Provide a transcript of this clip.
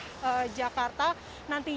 operasi ataupun pengecekan random antigen